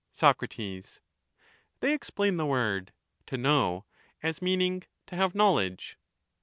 Sac, They explain the word 'to know' as meaning 'to have knowledge.